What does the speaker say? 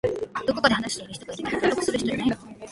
どこかで話している人がいるけど登録する人いないの？